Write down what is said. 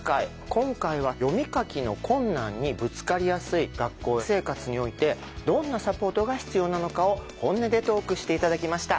今回は読み書きの困難にぶつかりやすい学校生活においてどんなサポートが必要なのかを本音でトークして頂きました。